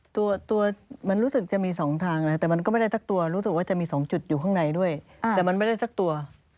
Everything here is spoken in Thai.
ตัวมันรู้สึกจะมีสองทางนะแต่มันก็ไม่ได้สักตัวรู้สึกว่าจะมี๒จุดอยู่ข้างในด้วยแต่มันไม่ได้สักตัว